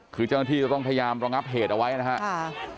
คือเจ้าหน้าที่ก็ต้องพยายามระงับเหตุเอาไว้นะครับ